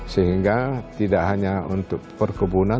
sehingga tidak hanya untuk perkebunan